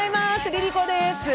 ＬｉＬｉＣｏです。